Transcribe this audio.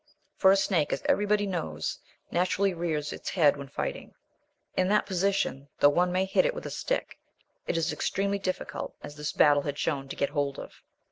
For a snake, as everybody knows, naturally rears its head when fighting. In that position, though one may hit it with a stick, it is extremely difficult, as this battle had shown, to get hold of.